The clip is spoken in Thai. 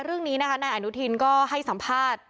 เรื่องนี้นะคะนายอนุทินก็ให้สัมภาษณ์